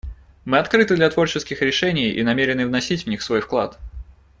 Мы открыты для творческих решений и намерены вносить в них свой вклад.